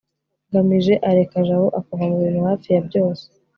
ngamije areka jabo akava mubintu hafi ya byose